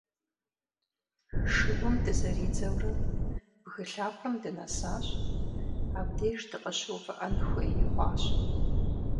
Шыгум дызэридзэурэ, бгы лъапэм дынэсащ, абдеж дыкъыщыувыӏэн хуей хъуащ.